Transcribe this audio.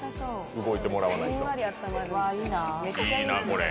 動いてもらわんと。